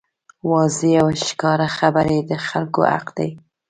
واضحې او ښکاره خبرې د خلکو حق دی.